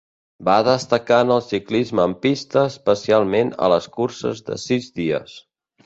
Va destacar en el ciclisme en pista especialment a les curses de sis dies.